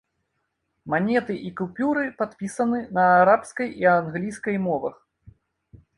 Манеты і купюры падпісаны на арабскай і англійскай мовах.